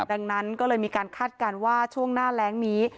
ดังนั้นก็เลยมีการคาดการณ์ว่าช่วงหน้าแรงนี้